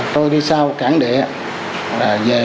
tôi đi sau cản địa